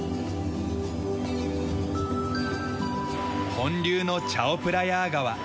本流のチャオプラヤー川。